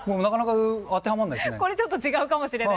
これちょっと違うかもしれない。